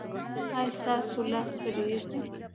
ایا ستاسو لاس به ریږدي؟